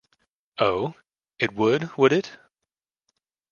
Oh, it would, would it?